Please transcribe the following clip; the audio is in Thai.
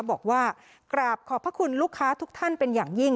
บอกว่ากราบขอบพระคุณลูกค้าทุกท่านเป็นอย่างยิ่ง